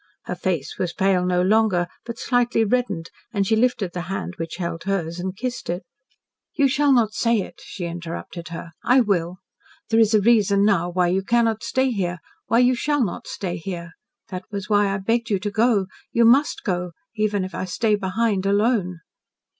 Her face was pale no longer, but slightly reddened, and she lifted the hand which held hers and kissed it. "You shall not say it," she interrupted her. "I will. There is a reason now why you cannot stay here why you shall not stay here. That was why I begged you to go. You must go, even if I stay behind alone."